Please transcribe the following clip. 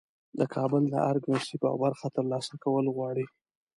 د کابل د ارګ نصیب او برخه ترلاسه کول غواړي.